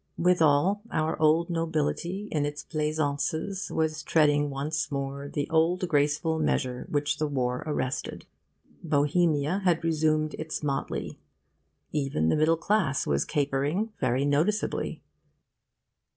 Withal, our Old Nobility in its pleasaunces was treading once more the old graceful measure which the War arrested; Bohemia had resumed its motley; even the middle class was capering, very noticeably...